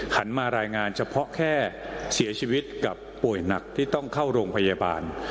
หันมารายงานเฉพาะแค่เสียชีวิตกับป่วยหนักที่ต้องเข้าโรงพยาบาล